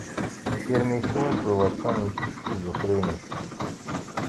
Tirmit-iw akked waṭṭan n teskiẓufrinit.